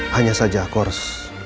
hanya saja aku harus